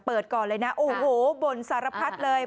ก่อนเลยนะโอ้โหบ่นสารพัดเลย